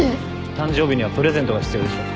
誕生日にはプレゼントが必要でしょ。